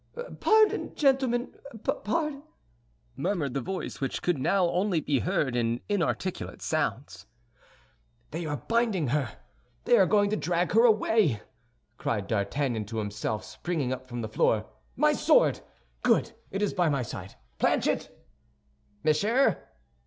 "Pardon, gentlemen—par—" murmured the voice, which could now only be heard in inarticulate sounds. "They are binding her; they are going to drag her away," cried D'Artagnan to himself, springing up from the floor. "My sword! Good, it is by my side! Planchet!" "Monsieur."